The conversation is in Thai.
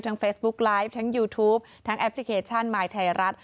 เฟซบุ๊กไลฟ์ทั้งยูทูปทั้งแอปพลิเคชันมายไทยรัฐ